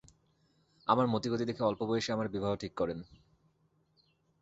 আমার মতিগতি দেখে অল্প বয়সেই আমার বিবাহ ঠিক করলেন।